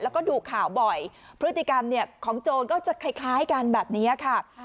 แล้วก็ดูข่าวบ่อยพฤติกรรมของโจรก็จะคล้ายกันแบบนี้ค่ะ